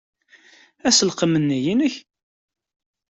Aselkim-nni i nekk?